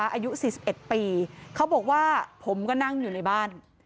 อายุ๔๑ปีเขาบอกว่าผมก็นั่งอยู่ในบ้าน